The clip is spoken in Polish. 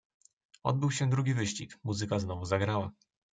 "Odbył się drugi wyścig, muzyka znowu zagrała."